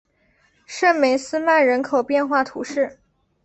圣梅斯曼人口变化图示